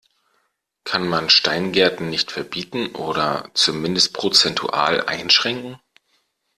Kann man Steingärten nicht verbieten, oder zumindest prozentual einschränken?